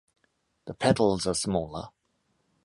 The petals are smaller.